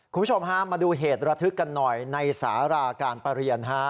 คุณผู้ชมฮะมาดูเหตุระทึกกันหน่อยในสาราการประเรียนฮะ